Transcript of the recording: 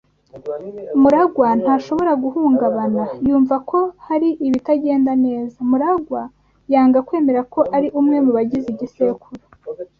MuragwA ntashobora guhungabana yumva ko hari ibitagenda neza. MuragwA yanga kwemera ko ari umwe mu bagize igisekuru.